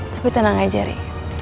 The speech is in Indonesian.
tapi tenang aja riri